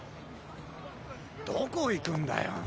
どこいくんだよ。